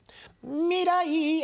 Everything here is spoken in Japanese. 未来へ！